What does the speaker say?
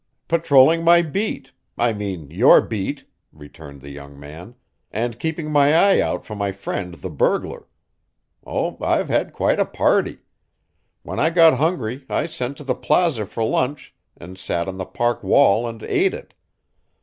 "Patrolling my beat I mean your beat," returned the young man, "and keeping my eye out for my friend the burglar. Oh, I've had quite a party. When I got hungry I sent to the Plaza for lunch and sat on the park wall and ate it.